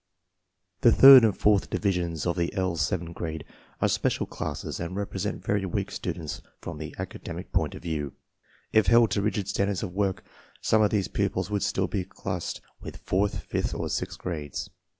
The third and fourth divisions of the L 7 grade are special classes and represent very weak stu dents from the academic point of view. If held to rigid standards of work, some of these pupils would still be classed with fourth, fifth, or sixth grades.